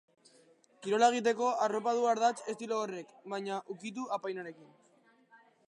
Kirola egiteko arropa du ardatz estilo horrek, baina ukitu apainarekin.